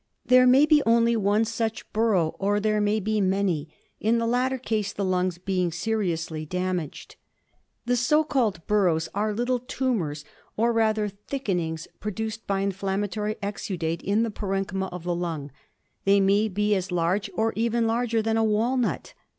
There may be only one such burrow or there may be many, in the latter case the lungs being seriously damaged. The so called burrows are little tumours or, rather, thickenings produced by in flammatory exudate in the parenchyma of the lung. They may be as large or even larger than a walnut.